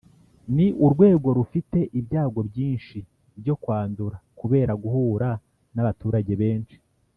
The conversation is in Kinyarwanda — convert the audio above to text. Ni urwego rufite ibyago byinshi byo kwandura kubera guhura n’abaturage benshi.